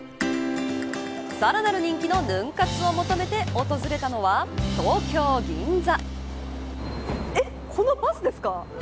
さらなる人気のヌン活を求めて訪れたのは東京、銀座。